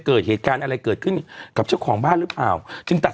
เกิดเหตุการณ์อะไรเกิดขึ้นกับเจ้าของบ้านหรือเปล่าจึงตัด